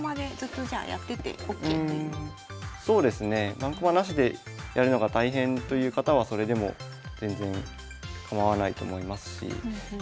盤駒なしでやるのが大変という方はそれでも全然構わないと思いますし。